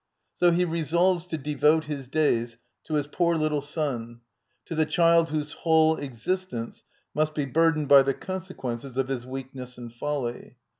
So he resolves to devote his days to his poor little son, to the child whose whole ex istence must be burdened by the consequences of his weakness and folly.